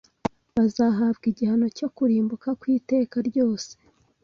Bazahabwa igihano cyo kurimbuka kw’iteka ryose